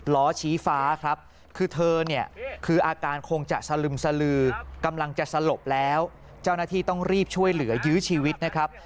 ล้อชี้ฟ้าครับคือเธอเนี่ยคืออาการคงจะสลึมสลือกำลังจะสลบแล้วเจ้าหน้าที่ต้องรีบช่วยเหลือยื้อชีวิตนะครับ